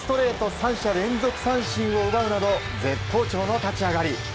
三者連続三振を奪うなど絶好調の立ち上がり。